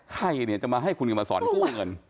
ใครเนี่ยจะมาให้คุณกันมาสอนกู้เงิน